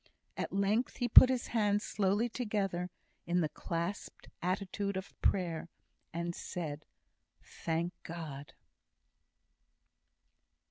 At length he put his hands slowly together in the clasped attitude of prayer, and said "Thank God!"